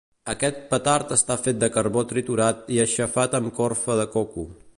Aquest petard està fet de carbó triturat i aixafat amb corfa de coco.